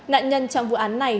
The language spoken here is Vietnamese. nạn nhân trong vụ án